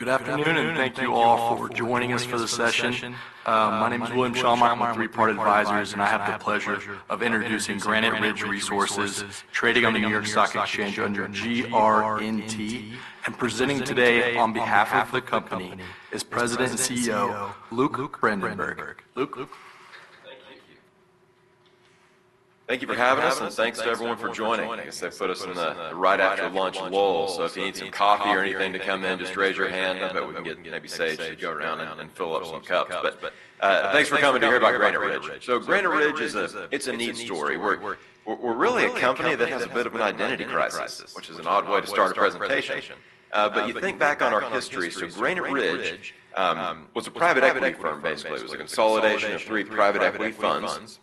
Good afternoon, and thank you all for joining us for this session. My name is William Schalmout with Three Part Advisors, and I have the pleasure of introducing Granite Ridge Resources, trading on the New York Stock Exchange under GRNT. And presenting today on behalf of the company is President and CEO, Luke Brandenberg. Luke? Thank you. Thank you for having us, and thanks to everyone for joining. I guess they put us in the right after lunch lull, so if you need some coffee or anything to come in, just raise your hand. I bet we can get maybe Sage to go around and fill up some cups, but thanks for coming to hear about Granite Ridge, so Granite Ridge is a neat story. We're really a company that has a bit of an identity crisis, which is an odd way to start a presentation, but you think back on our history, so Granite Ridge was a private equity firm, basically. It was a consolidation of three private equity funds,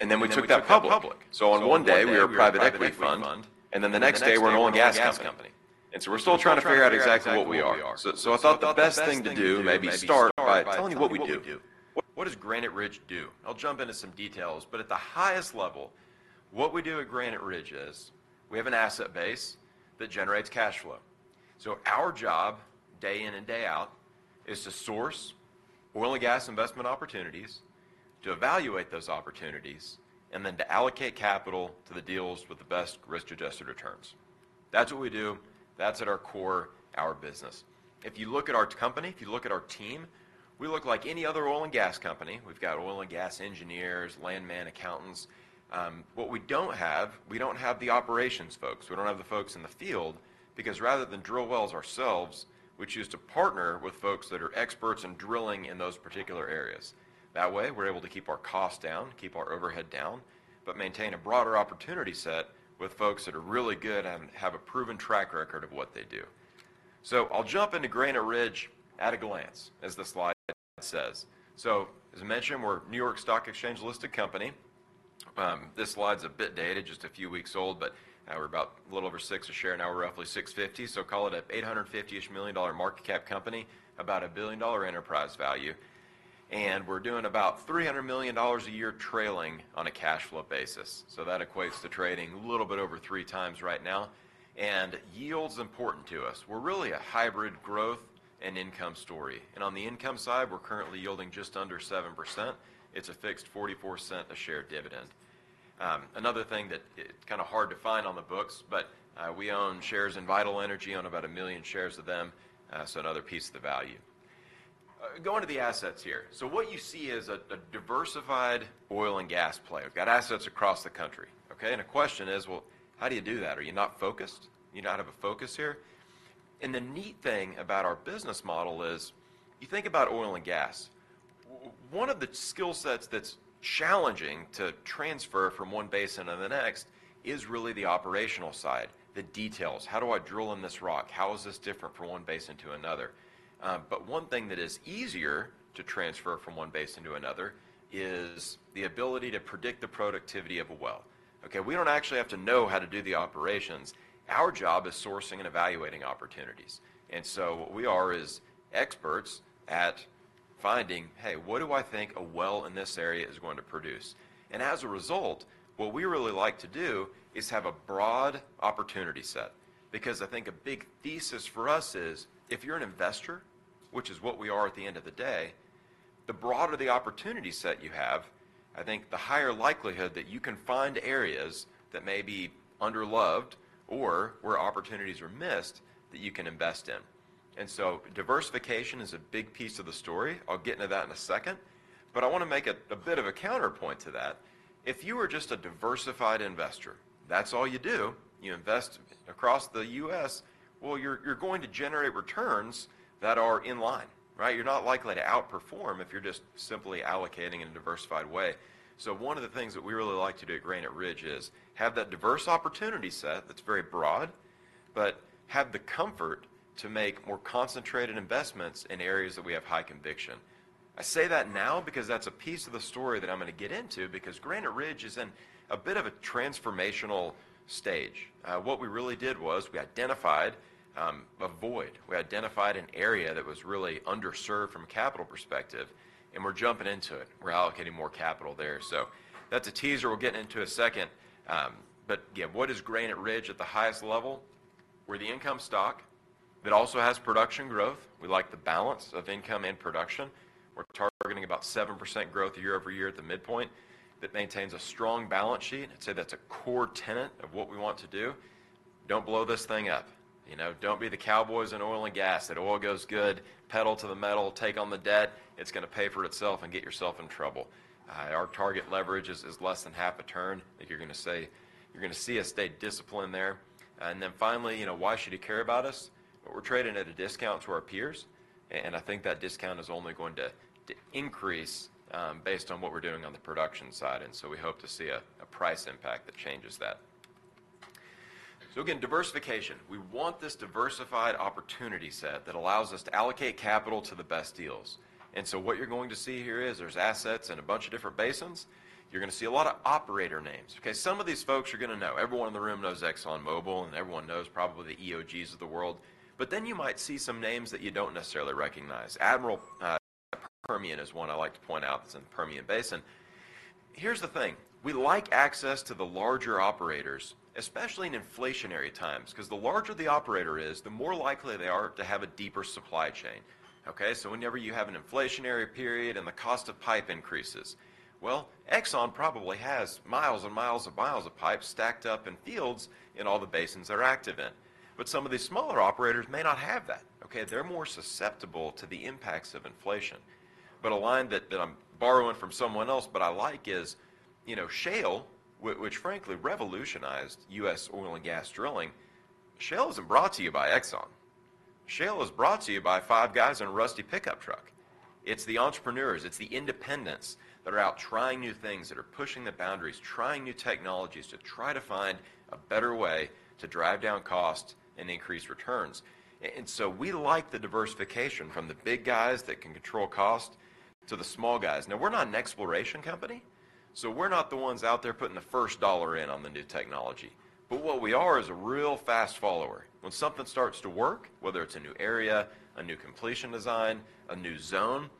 and then we took that public. So on one day, we were a private equity fund, and then the next day, we're an oil and gas company. And so we're still trying to figure out exactly what we are. So, I thought the best thing to do, maybe start by telling you what we do. What does Granite Ridge do? I'll jump into some details, but at the highest level, what we do at Granite Ridge is we have an asset base that generates cash flow. So our job, day in and day out, is to source oil and gas investment opportunities, to evaluate those opportunities, and then to allocate capital to the deals with the best risk-adjusted returns. That's what we do. That's at our core, our business. If you look at our company, if you look at our team, we look like any other oil and gas company. We've got oil and gas engineers, landmen, accountants. What we don't have, we don't have the operations folks. We don't have the folks in the field, because rather than drill wells ourselves, we choose to partner with folks that are experts in drilling in those particular areas. That way, we're able to keep our costs down, keep our overhead down, but maintain a broader opportunity set with folks that are really good and have a proven track record of what they do. So I'll jump into Granite Ridge at a glance, as the slide says. So, as I mentioned, we're a New York Stock Exchange-listed company. This slide's a bit dated, just a few weeks old, but we're about a little over $6 a share now, roughly $6.50, so call it an $850-ish million market cap company, about a $1 billion enterprise value. And we're doing about $300 million a year trailing on a cash flow basis. So that equates to trading a little bit over three times right now. And yield's important to us. We're really a hybrid growth and income story, and on the income side, we're currently yielding just under 7%. It's a fixed $0.44-cent a share dividend. Another thing that is kinda hard to find on the books, but we own shares in Vital Energy, own about 1 million shares of them, so another piece of the value. Going to the assets here. So what you see is a diversified oil and gas play. We've got assets across the country, okay? And the question is: Well, how do you do that? Are you not focused? You not have a focus here? The neat thing about our business model is, you think about oil and gas, one of the skill sets that's challenging to transfer from one basin to the next is really the operational side, the details. How do I drill in this rock? How is this different from one basin to another? But one thing that is easier to transfer from one basin to the next is the ability to predict the productivity of a well. Okay, we don't actually have to know how to do the operations. Our job is sourcing and evaluating opportunities. What we are is experts at finding, "Hey, what do I think a well in this area is going to produce?" As a result, what we really like to do is have a broad opportunity set, because I think a big thesis for us is, if you're an investor, which is what we are at the end of the day, the broader the opportunity set you have, I think the higher likelihood that you can find areas that may be underloved or where opportunities are missed that you can invest in. Diversification is a big piece of the story. I'll get into that in a second, but I wanna make a bit of a counterpoint to that. If you were just a diversified investor, that's all you do, you invest across the U.S., well, you're going to generate returns that are in line, right? You're not likely to outperform if you're just simply allocating in a diversified way. So one of the things that we really like to do at Granite Ridge is have that diverse opportunity set that's very broad, but have the comfort to make more concentrated investments in areas that we have high conviction. I say that now because that's a piece of the story that I'm gonna get into, because Granite Ridge is in a bit of a transformational stage. What we really did was we identified a void. We identified an area that was really underserved from a capital perspective, and we're jumping into it. We're allocating more capital there. So that's a teaser we'll get into a second. But again, what is Granite Ridge at the highest level? We're the income stock that also has production growth. We like the balance of income and production. We're targeting about 7% growth year-over-year at the midpoint. That maintains a strong balance sheet. I'd say that's a core tenet of what we want to do. Don't blow this thing up. You know, don't be the cowboys in oil and gas. It all goes good, pedal to the metal, take on the debt, it's gonna pay for itself and get yourself in trouble. Our target leverage is less than half a turn. If you're gonna say... You're gonna see us stay disciplined there. And then finally, you know, why should you care about us? We're trading at a discount to our peers, and I think that discount is only going to increase based on what we're doing on the production side, and so we hope to see a price impact that changes that. So again, diversification. We want this diversified opportunity set that allows us to allocate capital to the best deals. And so what you're going to see here is there's assets in a bunch of different basins. You're gonna see a lot of operator names. Okay, some of these folks you're gonna know. Everyone in the room knows ExxonMobil, and everyone knows probably the EOGs of the world, but then you might see some names that you don't necessarily recognize. Admiral Permian is one I like to point out that's in the Permian Basin. Here's the thing: We like access to the larger operators, especially in inflationary times, 'cause the larger the operator is, the more likely they are to have a deeper supply chain, okay? So whenever you have an inflationary period, and the cost of pipe increases, well, Exxon probably has miles and miles and miles of pipe stacked up in fields in all the basins they're active in. But some of these smaller operators may not have that, okay? They're more susceptible to the impacts of inflation. But a line that I'm borrowing from someone else, but I like is, you know, shale, which frankly revolutionized U.S. oil and gas drilling, shale isn't brought to you by Exxon. Shale is brought to you by five guys in a rusty pickup truck. It's the entrepreneurs, it's the independents that are out trying new things, that are pushing the boundaries, trying new technologies to try to find a better way to drive down cost and increase returns. And so we like the diversification from the big guys that can control cost to the small guys. Now, we're not an exploration company, so we're not the ones out there putting the first dollar in on the new technology. But what we are is a real fast follower. When something starts to work, whether it's a new area, a new completion design, a new zone,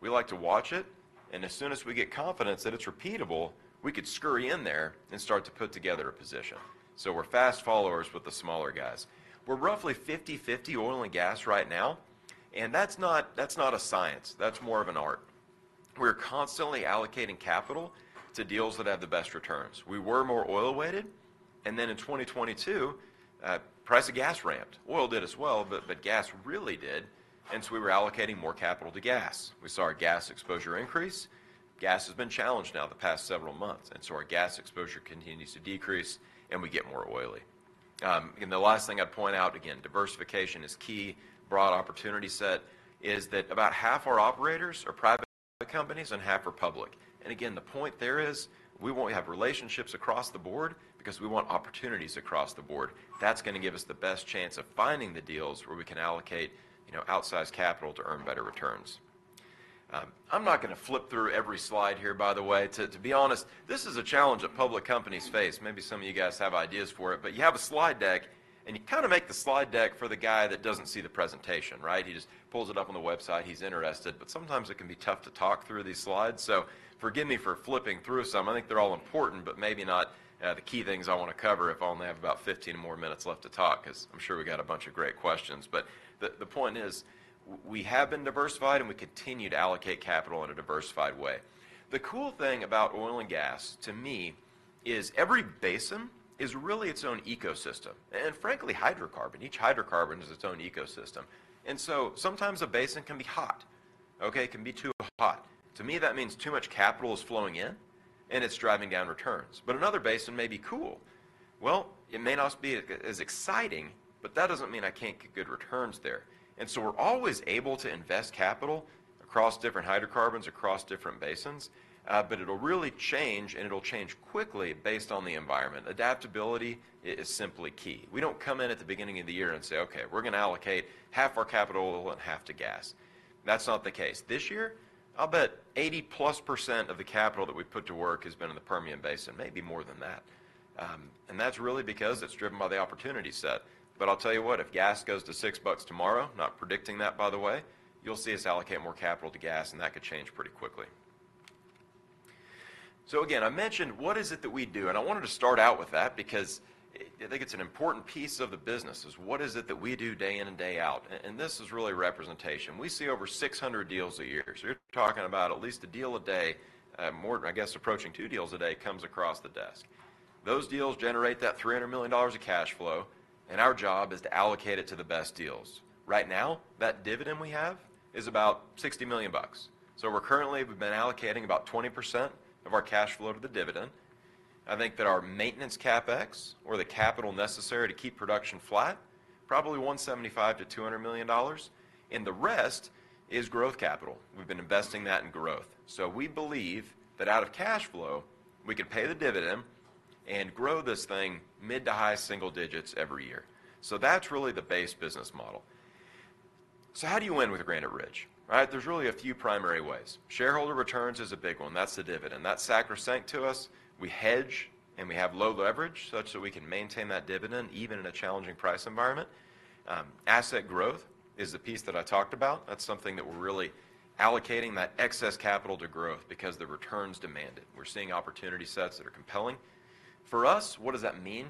we like to watch it, and as soon as we get confidence that it's repeatable, we could scurry in there and start to put together a position. So we're fast followers with the smaller guys. We're roughly 50/50 oil and gas right now, and that's not, that's not a science. That's more of an art. We're constantly allocating capital to deals that have the best returns. We were more oil-weighted, and then in 2022, price of gas ramped. Oil did as well, but, but gas really did, and so we were allocating more capital to gas. We saw our gas exposure increase. Gas has been challenged now the past several months, and so our gas exposure continues to decrease, and we get more oily. And the last thing I'd point out, again, diversification is key, broad opportunity set, is that about half our operators are private companies and half are public. And again, the point there is, we wanna have relationships across the board because we want opportunities across the board. That's gonna give us the best chance of finding the deals where we can allocate, you know, outsized capital to earn better returns. I'm not gonna flip through every slide here, by the way. To be honest, this is a challenge that public companies face. Maybe some of you guys have ideas for it, but you have a slide deck, and you kinda make the slide deck for the guy that doesn't see the presentation, right? He just pulls it up on the website, he's interested. But sometimes it can be tough to talk through these slides, so forgive me for flipping through some. I think they're all important, but maybe not the key things I wanna cover if I only have about fifteen more minutes left to talk, 'cause I'm sure we got a bunch of great questions. But the point is, we have been diversified, and we continue to allocate capital in a diversified way. The cool thing about oil and gas, to me, is every basin is really its own ecosystem, and frankly, hydrocarbon. Each hydrocarbon is its own ecosystem. And so sometimes a basin can be hot. Okay? It can be too hot. To me, that means too much capital is flowing in, and it's driving down returns. But another basin may be cool. Well, it may not be as exciting, but that doesn't mean I can't get good returns there. And so we're always able to invest capital across different hydrocarbons, across different basins, but it'll really change, and it'll change quickly based on the environment. Adaptability is simply key. We don't come in at the beginning of the year and say, "Okay, we're gonna allocate half our capital and half to gas." That's not the case. This year, I'll bet 80+% of the capital that we've put to work has been in the Permian Basin, maybe more than that. And that's really because it's driven by the opportunity set. But I'll tell you what, if gas goes to $6 tomorrow, not predicting that, by the way, you'll see us allocate more capital to gas, and that could change pretty quickly. So again, I mentioned what is it that we do, and I wanted to start out with that because I think it's an important piece of the business is, what is it that we do day in and day out? And this is really representation. We see over 600 deals a year, so you're talking about at least a deal a day, more, I guess, approaching two deals a day comes across the desk. Those deals generate that $300 million of cash flow, and our job is to allocate it to the best deals. Right now, that dividend we have is about $60 million bucks, so we're currently, we've been allocating about 20% of our cash flow to the dividend. I think that our Maintenance CapEx, or the capital necessary to keep production flat, probably $175 million-$200 million, and the rest is growth capital. We've been investing that in growth. So we believe that out of cash flow, we can pay the dividend and grow this thing mid to high single digits every year. So that's really the base business model. So how do you win with Granite Ridge, right? There's really a few primary ways. Shareholder returns is a big one. That's the dividend. That's sacrosanct to us. We hedge, and we have low leverage such that we can maintain that dividend, even in a challenging price environment. Asset growth is the piece that I talked about. That's something that we're really allocating that excess capital to growth because the returns demand it. We're seeing opportunity sets that are compelling. For us, what does that mean?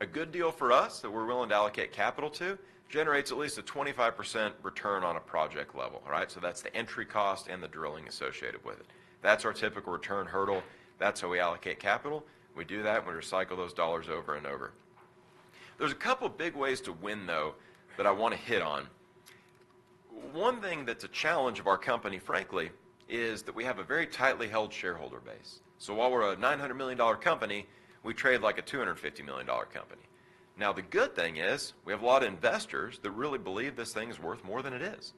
A good deal for us that we're willing to allocate capital to generates at least a 25% return on a project level, all right? So that's the entry cost and the drilling associated with it. That's our typical return hurdle. That's how we allocate capital. We do that, and we recycle those dollars over and over. There's a couple big ways to win, though, that I wanna hit on. One thing that's a challenge of our company, frankly, is that we have a very tightly held shareholder base. So while we're a $900 million company, we trade like a $250 million company. Now, the good thing is, we have a lot of investors that really believe this thing is worth more than it is.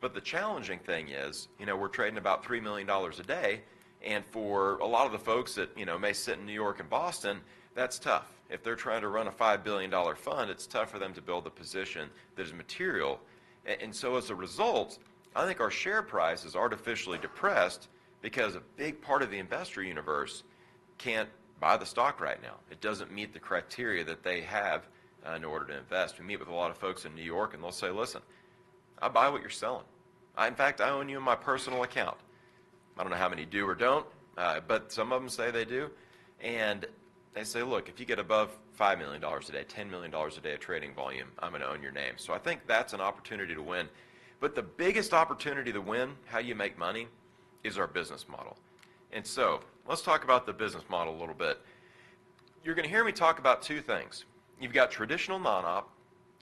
But the challenging thing is, you know, we're trading about $3 million a day, and for a lot of the folks that, you know, may sit in New York and Boston, that's tough. If they're trying to run a $5 billion fund, it's tough for them to build a position that is material. And so as a result, I think our share price is artificially depressed because a big part of the investor universe, can't buy the stock right now. It doesn't meet the criteria that they have in order to invest. We meet with a lot of folks in New York, and they'll say, "Listen, I buy what you're selling. In fact, I own you in my personal account." I don't know how many do or don't, but some of them say they do. And they say, "Look, if you get above $5 million a day, $10 million a day of trading volume, I'm gonna own your name." So I think that's an opportunity to win. But the biggest opportunity to win, how you make money, is our business model. And so let's talk about the business model a little bit. You're gonna hear me talk about two things. You've got traditional non-op,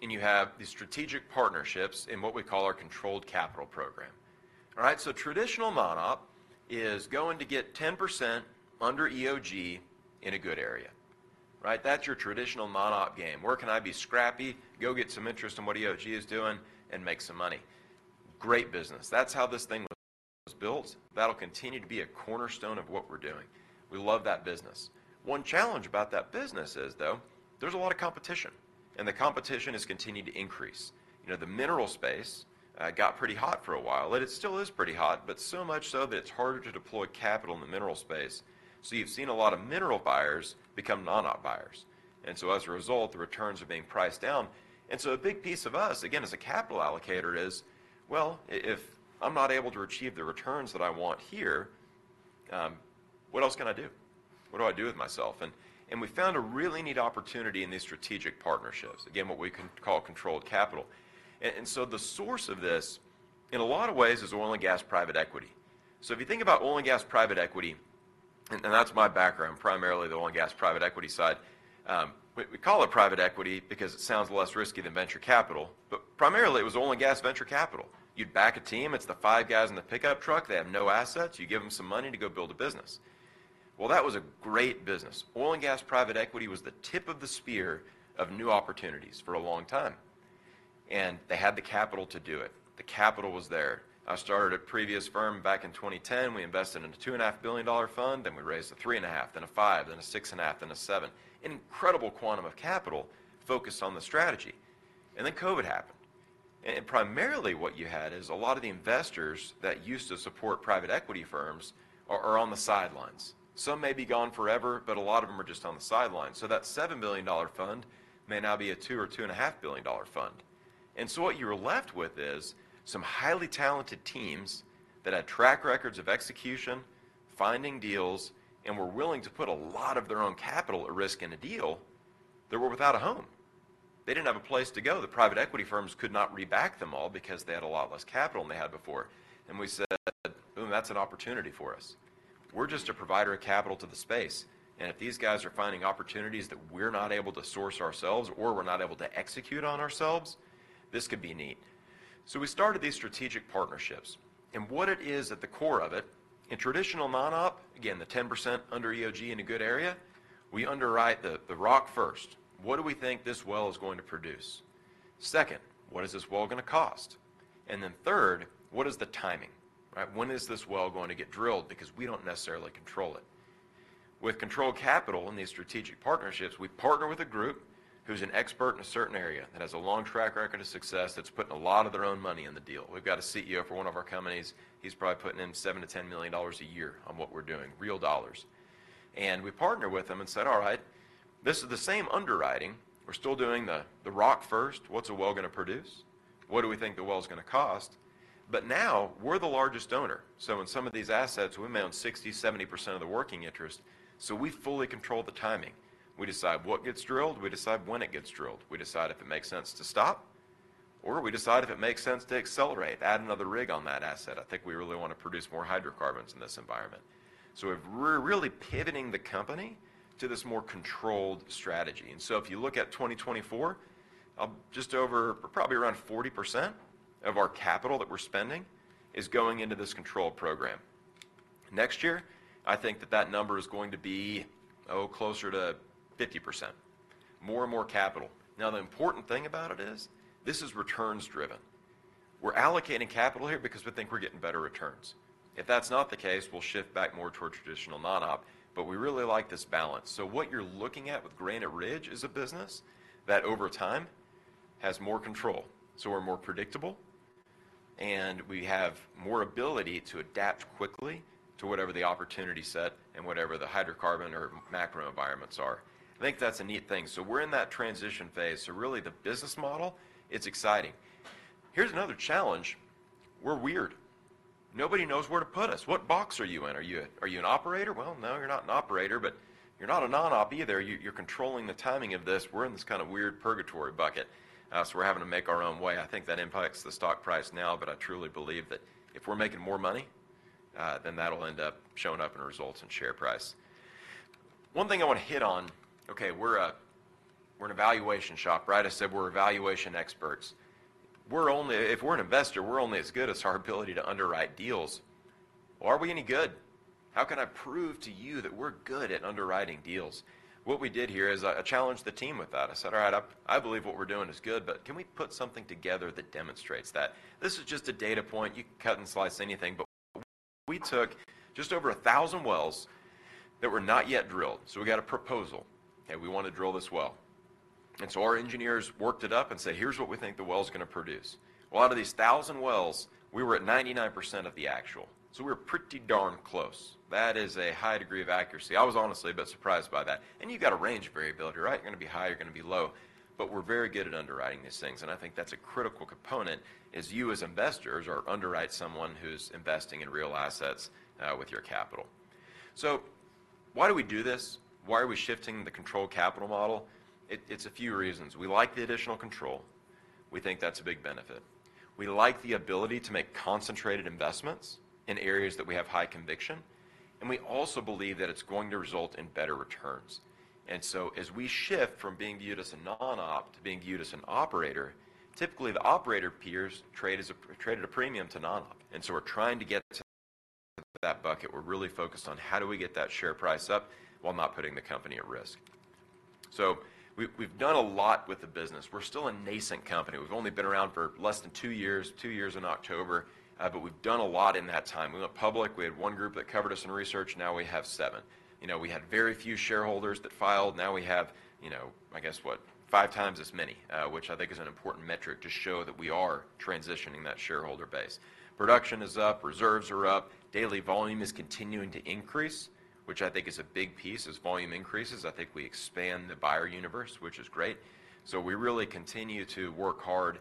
and you have the strategic partnerships in what we call our controlled capital program. All right? So traditional non-op is going to get 10% under EOG in a good area, right? That's your traditional non-op game. Where can I be scrappy, go get some interest in what EOG is doing and make some money? Great business. That's how this thing was built. That'll continue to be a cornerstone of what we're doing. We love that business. One challenge about that business is, though, there's a lot of competition, and the competition has continued to increase. You know, the mineral space got pretty hot for a while, and it still is pretty hot, but so much so that it's harder to deploy capital in the mineral space. So you've seen a lot of mineral buyers become non-op buyers. And so, as a result, the returns are being priced down. And so a big piece of us, again, as a capital allocator, is, well, if I'm not able to achieve the returns that I want here, what else can I do? What do I do with myself? And we found a really neat opportunity in these strategic partnerships, again, what we call controlled capital. And so the source of this, in a lot of ways, is oil and gas private equity. So if you think about oil and gas private equity, and that's my background, primarily the oil and gas private equity side, we call it private equity because it sounds less risky than venture capital, but primarily, it was oil and gas venture capital. You'd back a team. It's the five guys in the pickup truck. They have no assets. You give them some money to go build a business. Well, that was a great business. Oil and gas private equity was the tip of the spear of new opportunities for a long time, and they had the capital to do it. The capital was there. I started a previous firm back in twenty ten. We invested in a $2.5 billion fund, then we raised a $3.5 billion, then a $5 billion, then a $6.5 billion, then a $7 billion. Incredible quantum of capital focused on the strategy, and then COVID happened, and primarily, what you had is a lot of the investors that used to support private equity firms are on the sidelines. Some may be gone forever, but a lot of them are just on the sidelines. So that $7 billion fund may now be a $2 billion or $2.5 billion fund. And so what you are left with is some highly talented teams that had track records of execution, finding deals, and were willing to put a lot of their own capital at risk in a deal that were without a home. They didn't have a place to go. The private equity firms could not re-back them all because they had a lot less capital than they had before. And we said, "Oh, that's an opportunity for us." We're just a provider of capital to the space, and if these guys are finding opportunities that we're not able to source ourselves or we're not able to execute on ourselves, this could be neat. So we started these strategic partnerships, and what it is at the core of it, in traditional non-op, again, the 10% under EOG in a good area, we underwrite the rock first. What do we think this well is going to produce? Second, what is this well gonna cost? And then third, what is the timing, right? When is this well going to get drilled? Because we don't necessarily control it. With controlled capital in these strategic partnerships, we partner with a group who's an expert in a certain area, that has a long track record of success, that's putting a lot of their own money in the deal. We've got a CEO for one of our companies. He's probably putting in $7 million-$10 million a year on what we're doing, real dollars. We partner with him and said, "All right, this is the same underwriting. We're still doing the rock first. What's the well gonna produce? What do we think the well's gonna cost? But now we're the largest owner." So in some of these assets, we may own 60%-70% of the working interest, so we fully control the timing. We decide what gets drilled, we decide when it gets drilled. We decide if it makes sense to stop, or we decide if it makes sense to accelerate, add another rig on that asset. I think we really want to produce more hydrocarbons in this environment. So we're really pivoting the company to this more controlled strategy. And so if you look at 2024, just over, probably around 40% of our capital that we're spending is going into this control program. Next year, I think that number is going to be, oh, closer to 50%. More and more capital. Now, the important thing about it is this is returns driven. We're allocating capital here because we think we're getting better returns. If that's not the case, we'll shift back more toward traditional non-op, but we really like this balance. So what you're looking at with Granite Ridge is a business that, over time, has more control, so we're more predictable, and we have more ability to adapt quickly to whatever the opportunity set and whatever the hydrocarbon or macro environments are. I think that's a neat thing. So we're in that transition phase. So really, the business model, it's exciting. Here's another challenge: We're weird. Nobody knows where to put us. What box are you in? Are you a, are you an operator? No, you're not an operator, but you're not a non-op either. You're controlling the timing of this. We're in this kinda weird purgatory bucket, so we're having to make our own way. I think that impacts the stock price now, but I truly believe that if we're making more money, then that'll end up showing up in results and share price. One thing I want to hit on. Okay, we're an valuation shop, right? I said we're valuation experts. We're only. If we're an investor, we're only as good as our ability to underwrite deals. Are we any good? How can I prove to you that we're good at underwriting deals? What we did here is I challenged the team with that. I said, "All right, I, I believe what we're doing is good, but can we put something together that demonstrates that?" This is just a data point. You can cut and slice anything, but we took just over a thousand wells that were not yet drilled. So we got a proposal, and we want to drill this well. And so our engineers worked it up and said, "Here's what we think the well's gonna produce." Well, out of these thousand wells, we were at 99% of the actual, so we were pretty darn close. That is a high degree of accuracy. I was honestly a bit surprised by that. And you've got a range of variability, right? You're gonna be high, you're gonna be low, but we're very good at underwriting these things, and I think that's a critical component, is you as investors are underwrite someone who's investing in real assets with your capital. So why do we do this? Why are we shifting the controlled capital model? It's a few reasons. We like the additional control. We think that's a big benefit. We like the ability to make concentrated investments in areas that we have high conviction, and we also believe that it's going to result in better returns. And so, as we shift from being viewed as a non-op to being viewed as an operator, typically the operator peers trade at a premium to non-op. And so we're trying to get to that bucket. We're really focused on how do we get that share price up while not putting the company at risk. So we've done a lot with the business. We're still a nascent company. We've only been around for less than two years, two years in October, but we've done a lot in that time. We went public. We had one group that covered us in research, now we have seven. You know, we had very few shareholders that filed, now we have, you know, I guess, what? Five times as many, which I think is an important metric to show that we are transitioning that shareholder base. Production is up, reserves are up, daily volume is continuing to increase, which I think is a big piece. As volume increases, I think we expand the buyer universe, which is great. So we really continue to work hard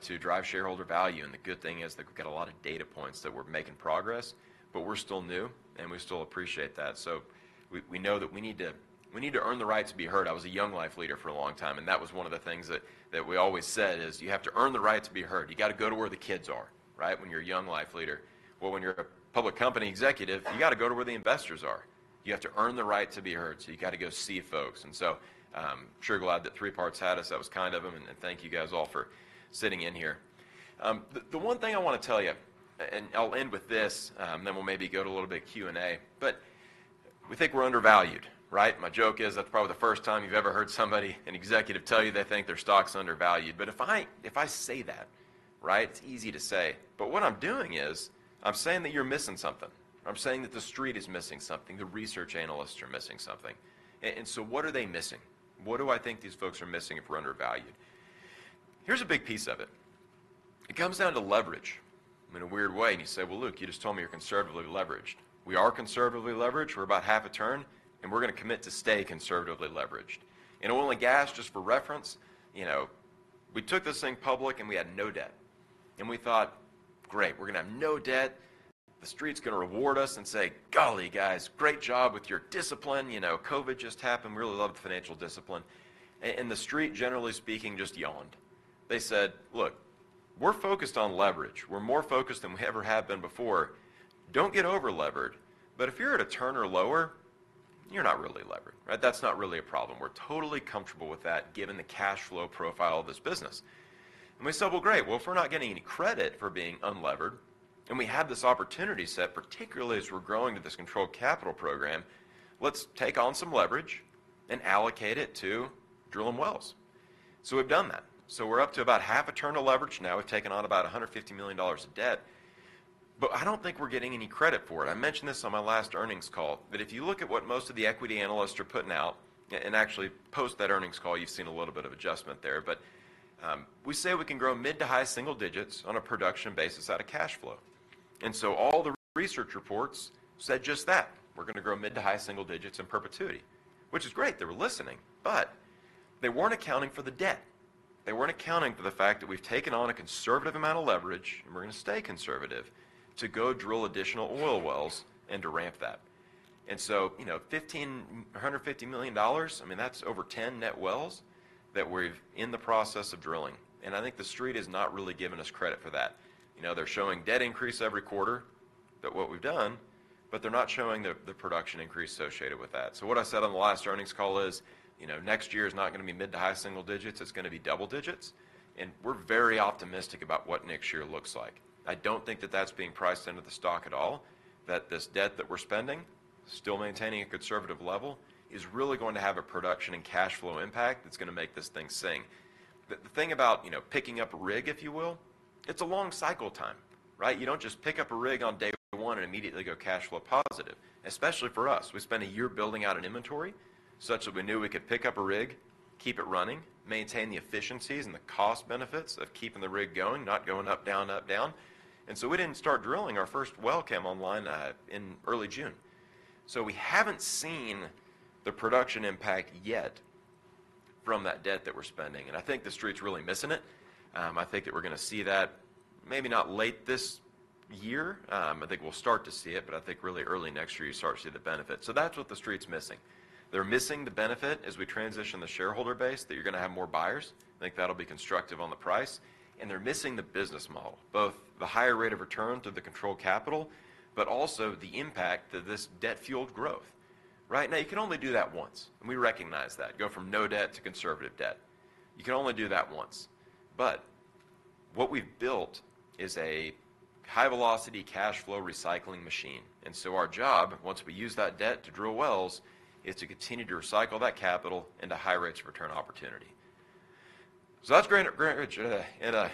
to drive shareholder value, and the good thing is that we've got a lot of data points that we're making progress, but we're still new, and we still appreciate that. So we know that we need to earn the right to be heard. I was a Young Life leader for a long time, and that was one of the things that we always said is, "You have to earn the right to be heard." You gotta go to where the kids are, right? When you're a Young Life leader. Well, when you're a public company executive, you gotta go to where the investors are. You have to earn the right to be heard, so you gotta go see folks. And so, I'm sure glad that Three Part Advisors had us. That was kind of them, and thank you guys all for sitting in here. The one thing I wanna tell you, and I'll end with this, then we'll maybe go to a little bit of Q&A, but we think we're undervalued, right? My joke is, that's probably the first time you've ever heard somebody, an executive tell you they think their stock's undervalued. But if I say that, right, it's easy to say, but what I'm doing is I'm saying that you're missing something. I'm saying that the street is missing something, the research analysts are missing something. And so what are they missing? What do I think these folks are missing if we're undervalued? Here's a big piece of it. It comes down to leverage in a weird way, and you say, "Well, look, you just told me you're conservatively leveraged." We are conservatively leveraged. We're about half a turn, and we're gonna commit to stay conservatively leveraged. In oil and gas, just for reference, you know, we took this thing public and we had no debt, and we thought, "Great, we're gonna have no debt. The street's gonna reward us and say, 'Golly, guys, great job with your discipline.' You know, COVID just happened. We really love the financial discipline." And the street, generally speaking, just yawned. They said, "Look, we're focused on leverage. We're more focused than we ever have been before. Don't get over-levered, but if you're at a turn or lower, you're not really levered, right? That's not really a problem. We're totally comfortable with that, given the cash flow profile of this business," and we said, "Well, great. Well, if we're not getting any credit for being unlevered, then we have this opportunity set, particularly as we're growing to this controlled capital program, let's take on some leverage and allocate it to drilling wells," so we've done that. So we're up to about half a turn of leverage now. We've taken on about $150 million of debt, but I don't think we're getting any credit for it. I mentioned this on my last earnings call, but if you look at what most of the equity analysts are putting out, and actually post that earnings call, you've seen a little bit of adjustment there, but we say we can grow mid to high single digits on a production basis out of cash flow. All the research reports said just that: "We're gonna grow mid to high single digits in perpetuity." Which is great, they were listening, but they weren't accounting for the debt. They weren't accounting for the fact that we've taken on a conservative amount of leverage, and we're gonna stay conservative, to go drill additional oil wells and to ramp that. You know, $150 million, I mean, that's over 10 net wells that we're in the process of drilling, and I think the street has not really given us credit for that. You know, they're showing debt increase every quarter, that's what we've done, but they're not showing the production increase associated with that. So what I said on the last earnings call is, "You know, next year is not gonna be mid to high single digits, it's gonna be double digits," and we're very optimistic about what next year looks like. I don't think that that's being priced into the stock at all, that this debt that we're spending, still maintaining a conservative level, is really going to have a production and cash flow impact that's gonna make this thing sing. The thing about, you know, picking up a rig, if you will, it's a long cycle time, right? You don't just pick up a rig on day one and immediately go cash flow positive, especially for us. We spent a year building out an inventory such that we knew we could pick up a rig, keep it running, maintain the efficiencies and the cost benefits of keeping the rig going, not going up, down, up, down. And so we didn't start drilling. Our first well came online in early June. So we haven't seen the production impact yet from that debt that we're spending, and I think the street's really missing it. I think that we're gonna see that maybe not late this year. I think we'll start to see it, but I think really early next year, you start to see the benefit. So that's what the street's missing. They're missing the benefit as we transition the shareholder base, that you're gonna have more buyers. I think that'll be constructive on the price, and they're missing the business model, both the higher rate of return to the controlled capital, but also the impact of this debt-fueled growth. Right now, you can only do that once, and we recognize that. Go from no debt to conservative debt. You can only do that once. But what we've built is a high-velocity cash flow recycling machine, and so our job, once we use that debt to drill wells, is to continue to recycle that capital into high rates of return opportunity. So that's Granite Ridge today. And I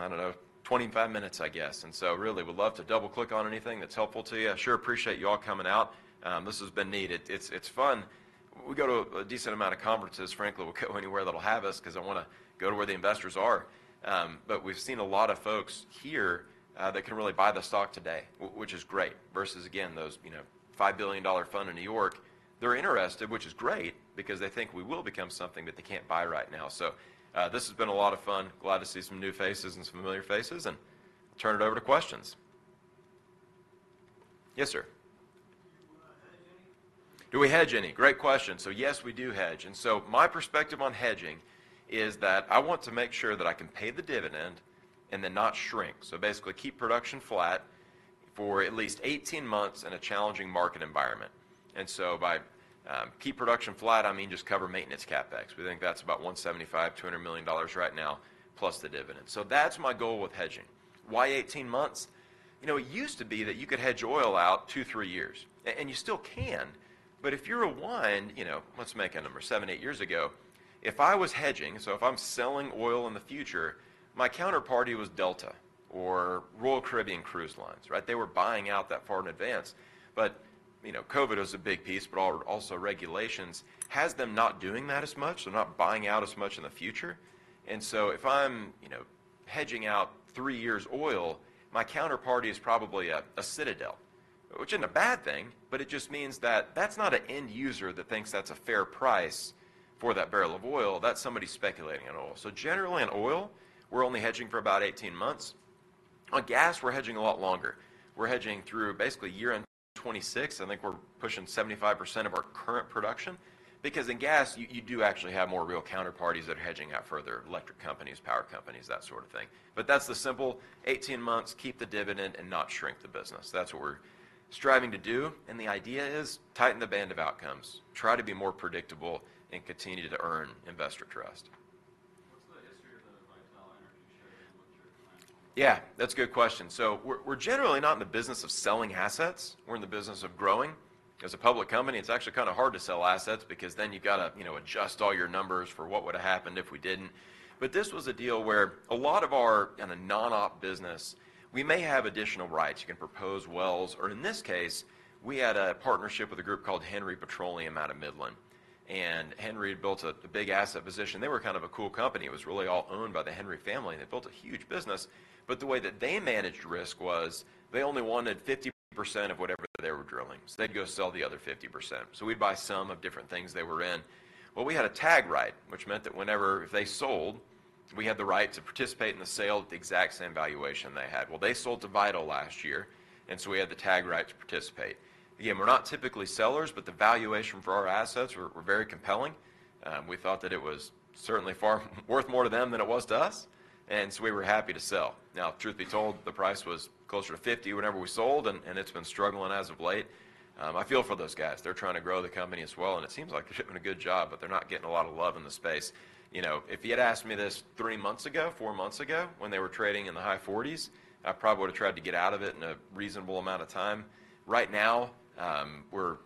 don't know, 25 minutes, I guess. And so really would love to double-click on anything that's helpful to you. I sure appreciate you all coming out. This has been neat. It's fun. We go to a decent amount of conferences. Frankly, we'll go anywhere that'll have us, 'cause I wanna go to where the investors are. But we've seen a lot of folks here that can really buy the stock today, which is great, versus again, those, you know, $5 billion fund in New York. They're interested, which is great, because they think we will become something, but they can't buy right now. So, this has been a lot of fun. Glad to see some new faces and some familiar faces, and turn it over to questions. Yes, sir? Do you hedge any? Do we hedge any? Great question. So, yes, we do hedge. And so my perspective on hedging is that I want to make sure that I can pay the dividend and then not shrink. So basically, keep production flat for at least eighteen months in a challenging market environment. And so by keep production flat, I mean, just cover maintenance CapEx. We think that's about $175 million-$200 million right now, plus the dividend. So that's my goal with hedging. Why eighteen months? You know, it used to be that you could hedge oil out 2-3 years. And you still can, but you know, let's make a number, 7-8 years ago, if I was hedging, so if I'm selling oil in the future, my counterparty was Delta or Royal Caribbean Cruise Lines, right? They were buying out that far in advance, but, you know, COVID was a big piece, but also regulations, has them not doing that as much. They're not buying out as much in the future. And so if I'm, you know, hedging out three years oil, my counterparty is probably a Citadel, which isn't a bad thing, but it just means that that's not an end user that thinks that's a fair price for that barrel of oil. That's somebody speculating on oil. So generally, in oil, we're only hedging for about eighteen months. On gas, we're hedging a lot longer. We're hedging through basically year-end 2026. I think we're pushing 75% of our current production. Because in gas, you, you do actually have more real counterparties that are hedging out further, electric companies, power companies, that sort of thing. But that's the simple eighteen months: keep the dividend and not shrink the business. That's what we're striving to do, and the idea is tighten the band of outcomes, try to be more predictable, and continue to earn investor trust. What's the history of the Vital Energy share and what's your plan? Yeah, that's a good question. So we're generally not in the business of selling assets. We're in the business of growing. As a public company, it's actually kind of hard to sell assets because then you've got to, you know, adjust all your numbers for what would've happened if we didn't. But this was a deal where a lot of our, in a non-op business, we may have additional rights. You can propose wells, or in this case, we had a partnership with a group called Henry Petroleum out of Midland, and Henry had built a big asset position. They were kind of a cool company. It was really all owned by the Henry family, and they built a huge business. But the way that they managed risk was they only wanted 50% of whatever they were drilling, so they'd go sell the other 50%. We'd buy some of different things they were in. We had a tag right, which meant that whenever if they sold, we had the right to participate in the sale at the exact same valuation they had. They sold to Vital last year, and so we had the tag right to participate. Again, we're not typically sellers, but the valuation for our assets were very compelling. We thought that it was certainly far worth more to them than it was to us, and so we were happy to sell. Now, truth be told, the price was closer to $50 whenever we sold, and it's been struggling as of late. I feel for those guys. They're trying to grow the company as well, and it seems like they're doing a good job, but they're not getting a lot of love in the space. You know, if you had asked me this three months ago, four months ago, when they were trading in the high forties, I probably would've tried to get out of it in a reasonable amount of time. Right now, we're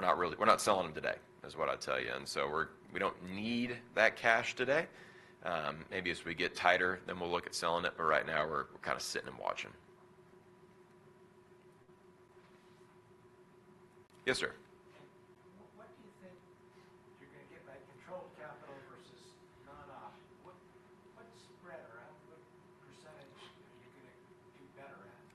not really... We're not selling them today, is what I'd tell you. And so we don't need that cash today. Maybe as we get tighter, then we'll look at selling it, but right now, we're kind of sitting and watching. Yes, sir? What do you think you're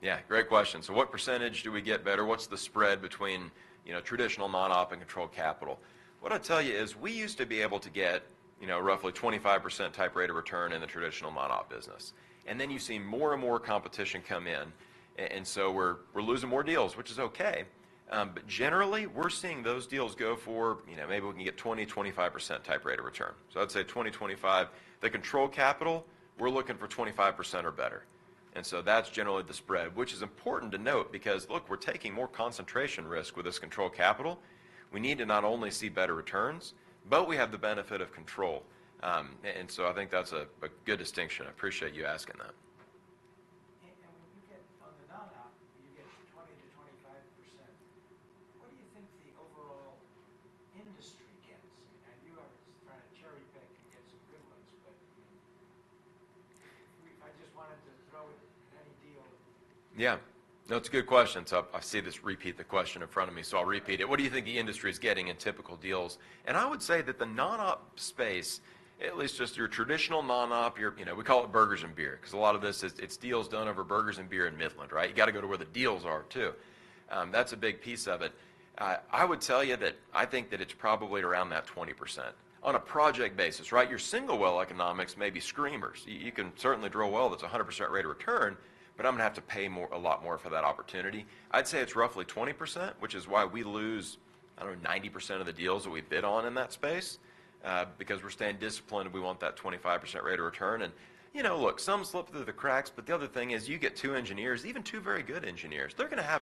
gonna get by controlled capital versus non-op? What, what's spread around, what percentage are you gonna do better at? Yeah, great question. So what percentage do we get better? What's the spread between, you know, traditional non-op and controlled capital? What I'd tell you is, we used to be able to get, you know, roughly 25% type rate of return in the traditional non-op business. And then you've seen more and more competition come in, and so we're losing more deals, which is okay. But generally, we're seeing those deals go for, you know, maybe we can get 20-25% type rate of return. So I'd say 20-25%. The controlled capital, we're looking for 25% or better, and so that's generally the spread, which is important to note because, look, we're taking more concentration risk with this controlled capital. We need to not only see better returns, but we have the benefit of control. And so I think that's a good distinction. I appreciate you asking that. When you get on the non-op, you get 20%-25%. What do you think the overall industry gets? You are trying to cherry-pick and get some good ones, but I just wanted to throw it in a deal. Yeah. No, it's a good question. So I see this, repeat the question in front of me, so I'll repeat it. What do you think the industry is getting in typical deals? And I would say that the non-op space, at least just your traditional non-op, you know, we call it burgers and beer, 'cause a lot of this is, it's deals done over burgers and beer in Midland, right? You gotta go to where the deals are, too. That's a big piece of it. I would tell you that I think that it's probably around that 20% on a project basis, right? Your single well economics may be screamers. You can certainly drill a well that's a 100% rate of return, but I'm gonna have to pay more, a lot more for that opportunity. I'd say it's roughly 20%, which is why we lose, I don't know, 90% of the deals that we bid on in that space, because we're staying disciplined, and we want that 25% rate of return. You know, look, some slip through the cracks, but the other thing is, you get two engineers, even two very good engineers, they're gonna have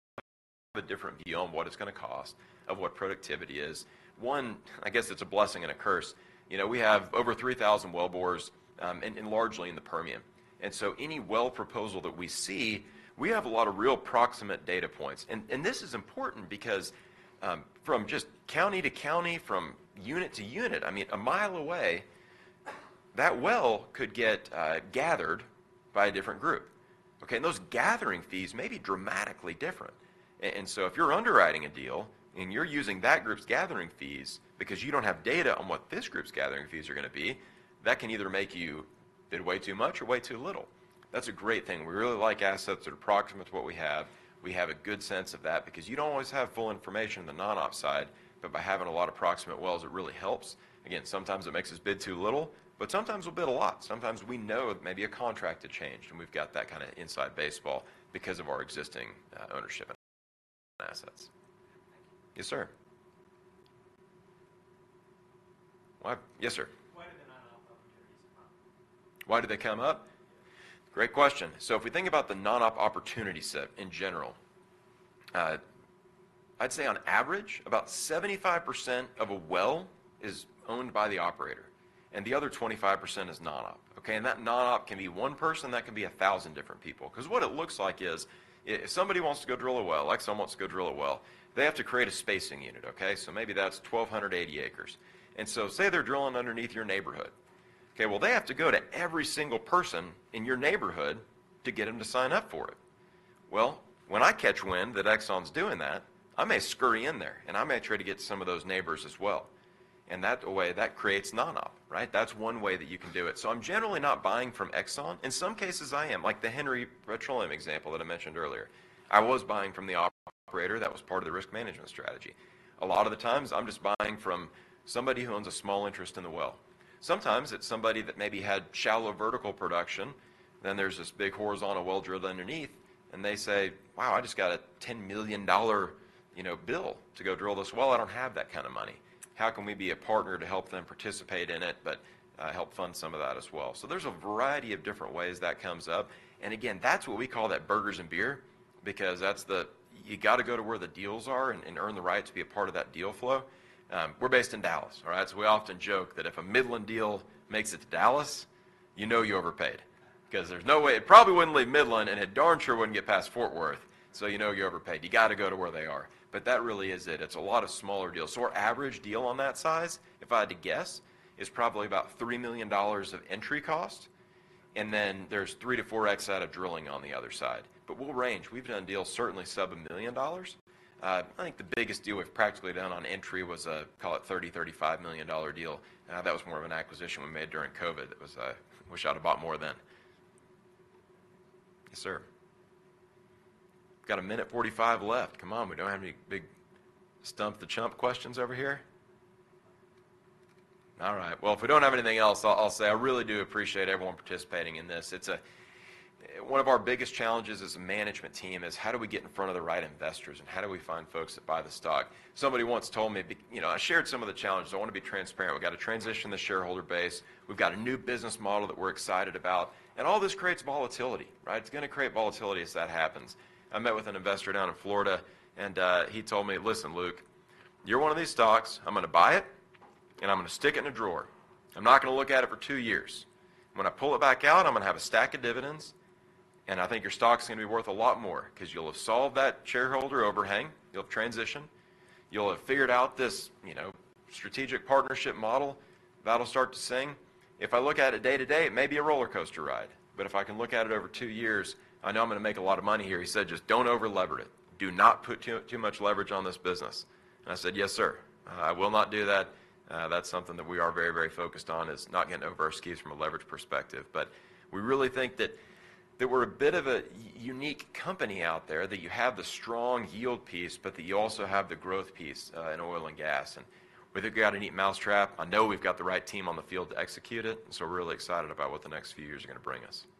a different view on what it's gonna cost, of what productivity is. It's a blessing and a curse. You know, we have over 3,000 wellbores and largely in the Permian. So any well proposal that we see, we have a lot of real proximate data points. And this is important because, from just county to county, from unit to unit, I mean, a mile away. That well could get gathered by a different group. Okay? And those gathering fees may be dramatically different. And so if you're underwriting a deal, and you're using that group's gathering fees because you don't have data on what this group's gathering fees are gonna be, that can either make you bid way too much or way too little. That's a great thing. We really like assets that are approximate to what we have. We have a good sense of that because you don't always have full information on the non-op side, but by having a lot of approximate wells, it really helps. Again, sometimes it makes us bid too little, but sometimes we'll bid a lot. Sometimes we know maybe a contract had changed, and we've got that kind of inside baseball because of our existing ownership and assets. Yes, sir. Why- yes, sir. Why do the non-op opportunities come up? Why do they come up? Yes. Great question, so if we think about the non-op opportunity set in general, I'd say on average, about 75% of a well is owned by the operator, and the other 25% is non-op. Okay, and that non-op can be one person, that can be 1,000 different people. 'Cause what it looks like is, if somebody wants to go drill a well, Exxon wants to go drill a well, they have to create a spacing unit, okay? So maybe that's 1,280 acres, and so say they're drilling underneath your neighborhood. Okay, well, they have to go to every single person in your neighborhood to get them to sign up for it, well, when I catch wind that Exxon's doing that, I may scurry in there, and I may try to get some of those neighbors as well. And that way, that creates non-op, right? That's one way that you can do it. So I'm generally not buying from Exxon. In some cases, I am, like the Henry Petroleum example that I mentioned earlier. I was buying from the operator. That was part of the risk management strategy. A lot of the times, I'm just buying from somebody who owns a small interest in the well. Sometimes it's somebody that maybe had shallow vertical production, then there's this big horizontal well drilled underneath, and they say, "Wow, I just got a $10 million, you know, bill to go drill this well. I don't have that kind of money." How can we be a partner to help them participate in it, but help fund some of that as well? So there's a variety of different ways that comes up. And again, that's what we call that burgers and beer, because that's the... You got to go to where the deals are and earn the right to be a part of that deal flow. We're based in Dallas, all right? So we often joke that if a Midland deal makes it to Dallas, you know you overpaid, 'cause there's no way. It probably wouldn't leave Midland, and it darn sure wouldn't get past Fort Worth, so you know you overpaid. You got to go to where they are. But that really is it. It's a lot of smaller deals. So our average deal on that size, if I had to guess, is probably about $3 million of entry cost, and then there's 3-4x out of drilling on the other side. But we'll range. We've done deals, certainly sub $1 million. I think the biggest deal we've practically done on entry was a call it 30-35 million dollar deal. That was more of an acquisition we made during COVID. Wish I'd have bought more then. Yes, sir. Got a minute forty-five left. Come on, we don't have any big stump the chump questions over here? All right. If we don't have anything else, I'll say I really do appreciate everyone participating in this. It's one of our biggest challenges as a management team is how do we get in front of the right investors, and how do we find folks that buy the stock? Somebody once told me, you know, I shared some of the challenges. I want to be transparent. We've got to transition the shareholder base. We've got a new business model that we're excited about, and all this creates volatility, right? It's gonna create volatility as that happens. I met with an investor down in Florida, and he told me, "Listen, Luke, you're one of these stocks, I'm gonna buy it, and I'm gonna stick it in a drawer. I'm not gonna look at it for two years. When I pull it back out, I'm gonna have a stack of dividends, and I think your stock's gonna be worth a lot more because you'll have solved that shareholder overhang, you'll transition, you'll have figured out this, you know, strategic partnership model. That'll start to sing. If I look at it day to day, it may be a roller coaster ride, but if I can look at it over two years, I know I'm gonna make a lot of money here." He said, "Just don't over-leverage it. Do not put too, too much leverage on this business." And I said, "Yes, sir. I will not do that." That's something that we are very, very focused on, is not getting over our skis from a leverage perspective. But we really think that we're a bit of a unique company out there, that you have the strong yield piece, but that you also have the growth piece in oil and gas. And we think we got a neat mousetrap. I know we've got the right team on the field to execute it, so we're really excited about what the next few years are gonna bring us. So thank you.